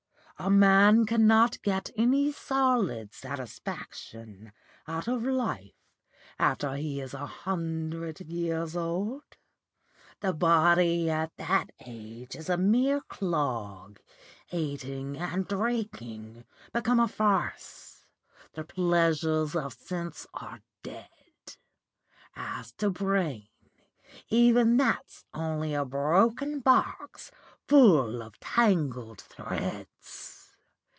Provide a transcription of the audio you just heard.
A man cannot get any solid satisfaction out of life after he is a hundred years old. The body at that age is a mere clog; eating and drinking become a farce; the pleasures of sense are dead. As to brain, even that's only a broken box full of tangled threads.